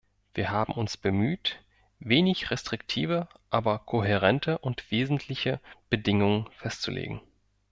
Wir haben uns bemüht, wenig restriktive, aber kohärente und wesentliche Bedingungen festzulegen.